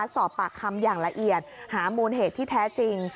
สอบปากคำอย่างละเอียดหามูลเหตุที่แท้จริง